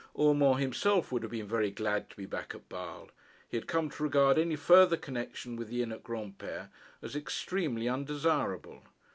Urmand himself would have been very glad to be back at Basle. He had come to regard any farther connection with the inn at Granpere as extremely undesirable.